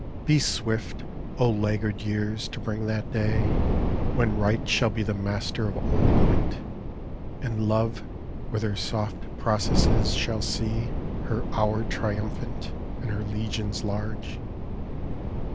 Be swift, O laggard years, to bring that day PEACE When Right shall be the master of old Might, And Love with her soft processes shall see Her hour triumphant and her legions large.